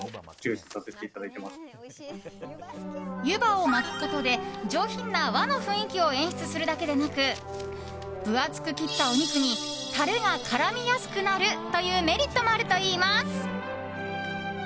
湯葉を巻くことで上品な和の雰囲気を演出するだけでなく分厚く切ったお肉にタレが絡みやすくなるというメリットもあるといいます。